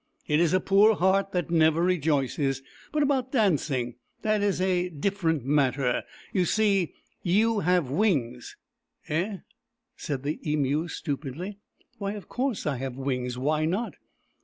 "It is a poor heart that never rejoices. But about dancing — that is a different matter. You see, you have wings." " Eh ?" said the Emu stupidly. " Why, of course, I have wings. Why not